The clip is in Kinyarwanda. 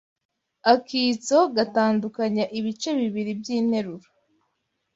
akitso gatandukanya ibice bibiri by’interuro